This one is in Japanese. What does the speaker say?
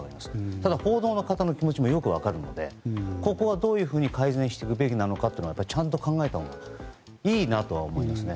ただ、報道の方の気持ちもよく分かるのでここは、どういうふうに改善していくべきなのかちゃんと考えたほうがいいなと思いますね。